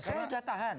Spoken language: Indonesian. saya sudah tahan